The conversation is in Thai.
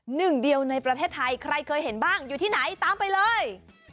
หนึ่งเดียวในประเทศไทยใครเคยเห็นบ้างอยู่ที่ไหนตามไปเลย